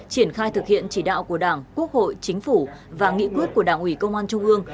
triển khai thực hiện chỉ đạo của đảng quốc hội chính phủ và nghị quyết của đảng ủy công an trung ương